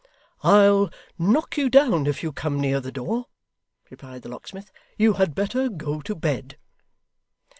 'I'll knock you down if you come near the door,' replied the locksmith. 'You had better go to bed!